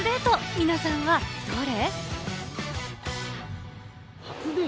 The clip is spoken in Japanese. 皆さんはどれ？